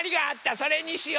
それにしよ。